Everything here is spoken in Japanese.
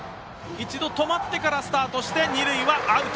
一度止まってからスタートして二塁はアウト！